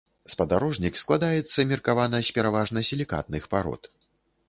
Спадарожнік складаецца меркавана з пераважна сілікатных парод.